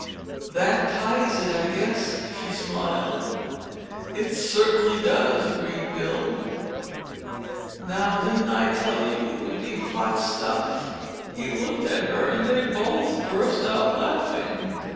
"That ties it, I guess," she smiled. "It certainly does!" agreed Bill. "Now—didn't I tell you it would be hot stuff?" He looked at her and they both burst out laughing.